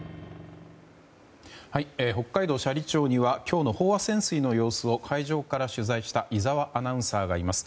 北海道斜里町には今日の飽和潜水の様子を海上から取材した井澤アナウンサーがいます。